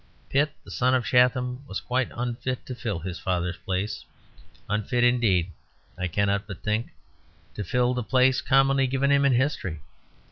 Pitt, the son of Chatham, was quite unfit to fill his father's place, unfit indeed (I cannot but think) to fill the place commonly given him in history.